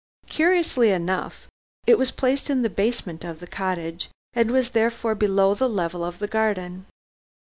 Curiously enough, it was placed in the basement of the cottage, and was therefore below the level of the garden.